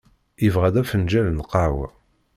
Yebɣa-d afenǧal n lqahwa.